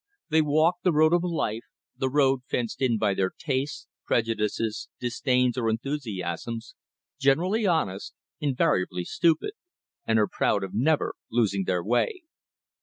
They walk the road of life, the road fenced in by their tastes, prejudices, disdains or enthusiasms, generally honest, invariably stupid, and are proud of never losing their way.